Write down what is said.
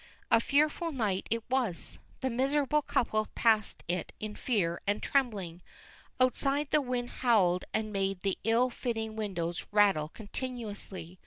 A fearful night it was the miserable couple passed it in fear and trembling. Outside the wind howled and made the ill fitting windows rattle continuously.